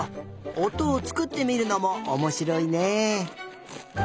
おとをつくってみるのもおもしろいね。